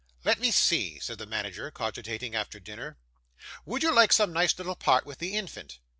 'Let me see,' said the manager cogitating after dinner. 'Would you like some nice little part with the infant?